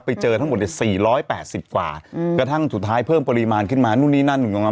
ไปเจอทั้งหมด๔๘๐กว่ากระทั่งสุดท้ายเพิ่มปริมาณขึ้นมานู่นนี่นั่น